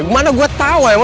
gimana gue tau ya